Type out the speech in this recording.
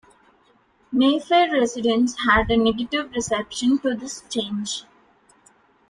Mayfair residents had a negative reception to this change.